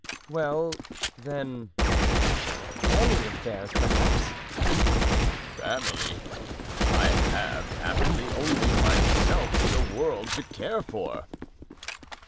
"Well, then, family affairs, perhaps?" "Family! I have, happily, only myself in the world to care for."